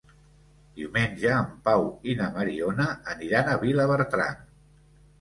Diumenge en Pau i na Mariona aniran a Vilabertran.